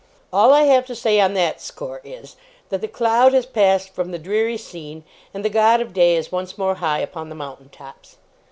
All I have to say on that score is, that the cloud has passed from the dreary scene, and the God of Day is once more high upon the mountain tops.